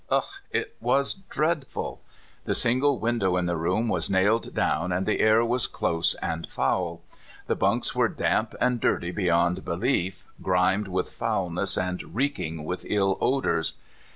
Ugh ! it was dreadful. The single window in the room was nailed down, and the air was close and foul. The bunks were damp and dirty be3'ond belief, grimed with foulness and reeking with ill odors.